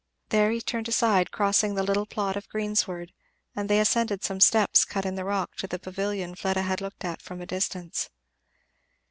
There he turned aside crossing the little plot of greensward, and they ascended some steps cut in the rock to the pavilion Fleda had looked at from a distance.